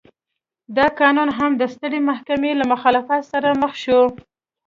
دا قانون هم د سترې محکمې له مخالفت سره مخ شو.